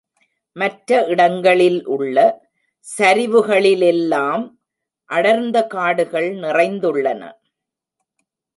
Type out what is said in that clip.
மற்ற இடங்களில் உள்ள சரிவுகளிலெல்லாம், அடர்ந்தகாடுகள் நிறைந்துள்ளன.